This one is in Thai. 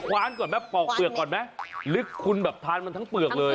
คว้านก่อนแม่ปอกเปลือกก่อนแม่หรือคุณแบบทานมันทั้งเปลือกเลย